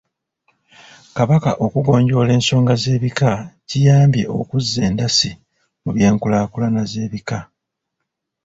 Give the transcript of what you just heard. Kabaka okugonjoola ensonga z'ebika kiyambye okuzza endasi mu by’enkulaakulana z’ebika.